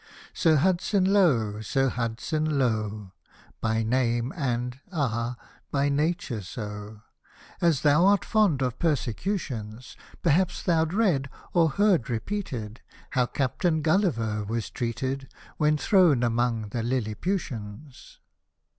Sir Hudson Lowe, Sir Hudson Low^ (By name, and ah ! by nature so) As thou art fond of persecutions, Perhaps thou'st read, or heard repeated. How Captain GuUiver was treated, When thrown among the Lilhputians.